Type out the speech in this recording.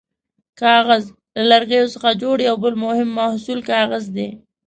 کاغذ: له لرګیو څخه جوړ یو بل مهم محصول کاغذ دی.